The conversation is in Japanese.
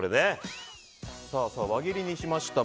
輪切りにしましたよ。